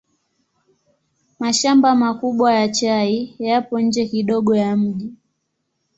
Mashamba makubwa ya chai yapo nje kidogo ya mji.